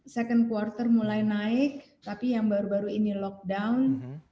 second quarter mulai naik tapi yang baru baru ini lockdown